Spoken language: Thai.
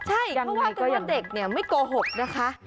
ใช่เพราะว่าเด็กไม่โกหกนะคะ